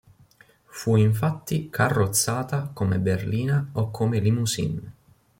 Fu infatti carrozzata come berlina o come limousine.